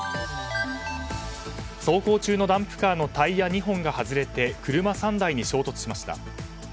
走行中のダンプカーのタイヤ２本がはずれ車３台に衝突しました。